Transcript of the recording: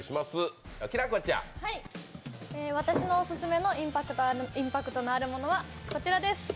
私のオススメのインパクトのあるものはこちらです。